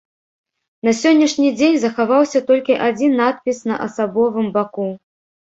На сённяшні дзень захаваўся толькі адзін надпіс на асабовым баку.